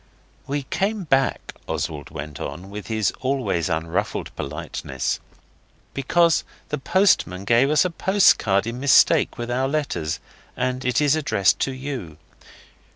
'We came back,' Oswald went on, with his always unruffled politeness, 'because the postman gave us a postcard in mistake with our letters, and it is addressed to you.